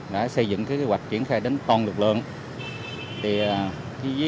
đã xây dựng kế hoạch triển khai đến toàn lực lượng